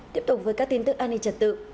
tiếp tục với các tin tức an ninh trật tự